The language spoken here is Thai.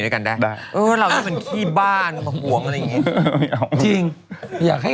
เล่าไม่เป็นขี้บ้านหักหวงอะไรอย่างงี้